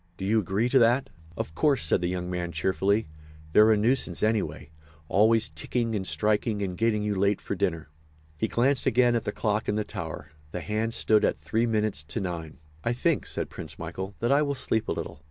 Do you agree to that?" "Of course," said the young man, cheerfully, "they're a nuisance, anyway—always ticking and striking and getting you late for dinner." He glanced again at the clock in the tower. The hands stood at three minutes to nine. "I think," said Prince Michael, "that I will sleep a little.